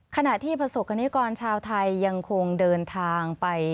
ขณะที่ผสกไงก่อนชาวไทยยังคงเดินทางไป